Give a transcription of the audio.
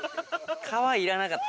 川いらなかった？